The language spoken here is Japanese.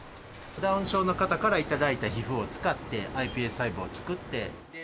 ダウン症の方から頂いた皮膚を使って、ｉＰＳ細胞を作って。